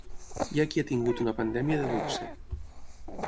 Hi ha qui ha tingut una pandèmia de luxe.